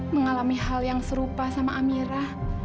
mengalami hal yang serupa sama amira